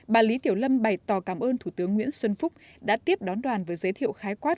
bà lý tiểu lâm bày tỏ cảm ơn thủ tướng nguyễn xuân phúc đã tiếp đón đoàn và giới thiệu khái quát